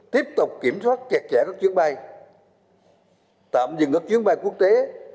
tiếp tục kiểm soát chặt chẽ các chuyến bay tạm dừng các chuyến bay quốc tế